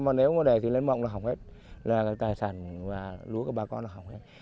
mà nếu mà để thì lên mộng là hỏng hết là tài sản và lúa của bà con là hỏng hết